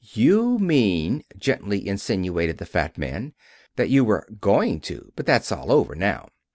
"You mean," gently insinuated the fat man, "that you were going to, but that's all over now."